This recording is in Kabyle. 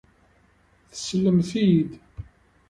Teslamt-iyi-d.